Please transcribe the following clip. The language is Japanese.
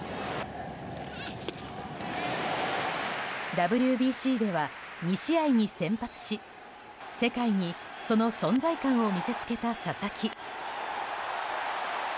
ＷＢＣでは２試合に先発し世界にその存在感を見せつけた佐々木。